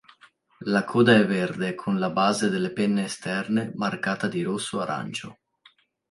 La coda è verde con la base delle penne esterne marcata di rosso-arancio.